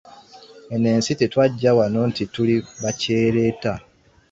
Eno ensi tetwajja wano nti tuli bakyereeta